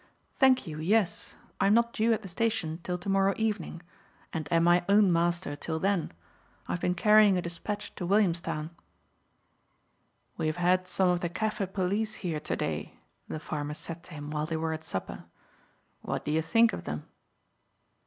"Thank you, yes. I am not due at the station till to morrow evening, and am my own master till then. I have been carrying a despatch to Williamstown." "We have had some of the Kaffir police here to day," the farmer said to him while they were at supper. "What do you think of them?"